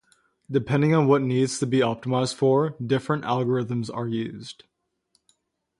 Depending on what needs to be optimized for, different algorithms are used.